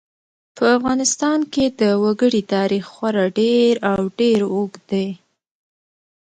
په افغانستان کې د وګړي تاریخ خورا ډېر او ډېر اوږد دی.